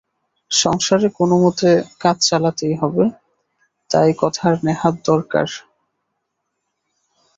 সংসারে কোনোমতে কাজ চালাতেই হবে, তাই কথার নেহাত দরকার।